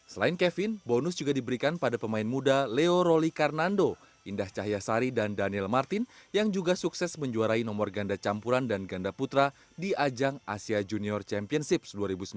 selain kevin bonus juga diberikan pada pemain muda leo roli karnando indah cahyasari dan daniel martin yang juga sukses menjuarai nomor ganda campuran dan ganda putra di ajang asia junior championships dua ribu sembilan belas